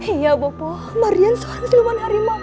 iya bopo mardian seorang seliman harimau